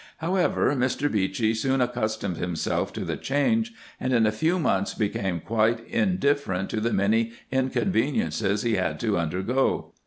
However, Mr. Beechey soon accustomed himself to the change, and in a few months became quite indifferent to the many inconveniences he had to undergo.